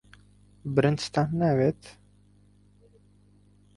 برنجتان ناوێت؟